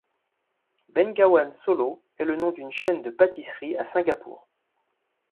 Bengawan Solo est le nom d'une chaîne de pâtisseries à Singapour.